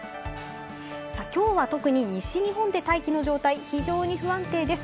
きょうは特に西日本で大気の状態、非常に不安定です。